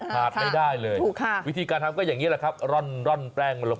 พาทไม่ได้เลยถูกวิธีการทำอย่างนี้ล่ะร่อนแปลงลง